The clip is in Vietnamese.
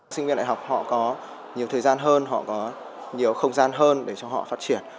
sinh viên đại học họ có nhiều thời gian hơn họ có nhiều không gian hơn để cho họ phát triển